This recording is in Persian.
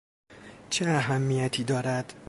چه اهمیتی دارد؟